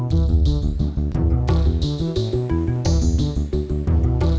bagus banget atu apa